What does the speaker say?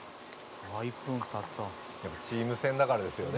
「やっぱチーム戦だからですよね」